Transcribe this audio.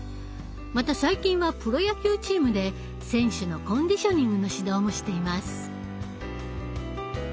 また最近はプロ野球チームで選手のコンディショニングの指導もしています。